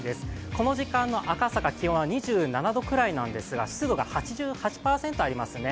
この時間の赤坂気温は２７度くらいなんですが湿度が８８％ありますね。